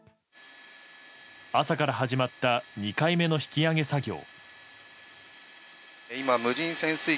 朝から始まった２回目の引き揚げ作業。